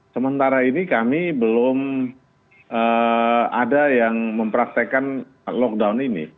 sementara ini kami belum ada yang mempraktekan lockdown ini